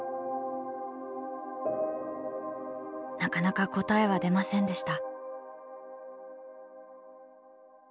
なかなか答えは出ませんでした。